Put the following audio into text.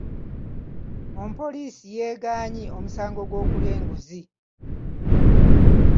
Omupoliisi yeegaanye omusango gw'okulya enguzi.